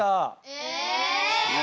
え！